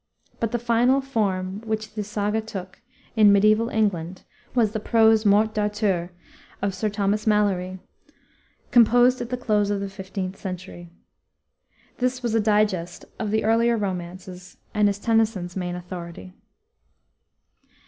But the final form which the Saga took in mediaeval England was the prose Morte Dartur of Sir Thomas Malory, composed at the close of the 15th century. This was a digest of the earlier romances and is Tennyson's main authority.